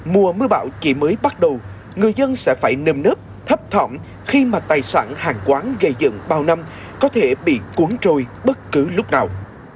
mùa mưa bão chỉ mới bắt đầu người dân sẽ phải nâm nớp thấp thỏm khi mà tài sản hàng quán gây dựng bao năm có thể bị cuốn trôi bất cứ lúc nào